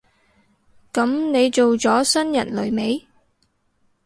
噉你做咗新人類未？